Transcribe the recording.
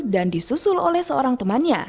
dan disusul oleh seorang temannya